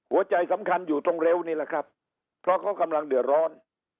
หัวใจสำคัญอยู่ตรงเร็วนี่แหละครับเพราะเขากำลังเดือดร้อน